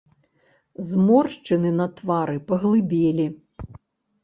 Зморшчыны на твары паглыбелі.